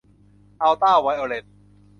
อัลตราไวโอเลต